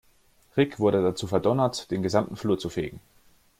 Rick wurde dazu verdonnert, den gesamten Flur zu fegen.